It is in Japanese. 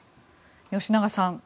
吉永さん